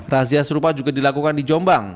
razia serupa juga dilakukan di jombang